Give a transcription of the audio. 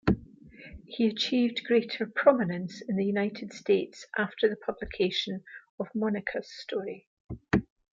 He achieved greater prominence in the United States after the publication of "Monica's Story".